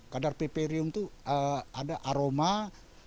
kadar piperium itu ada aroma pedas